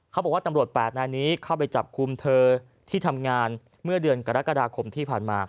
เขาบอกว่าตำรวจ๘นายนี้เข้าไปจับคุมเธอที่ทำงานเมื่อเดือนกรกฎาคมที่ผ่านมา